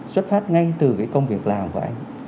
xuất phát ngay từ công việc làm của anh